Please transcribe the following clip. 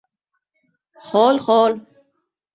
Xol-xol